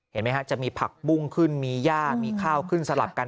เห็นไหมฮะจะมีผักบุ้งขึ้นมีย่ามีข้าวขึ้นสลับกัน